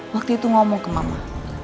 waktu itu ngomong ke mama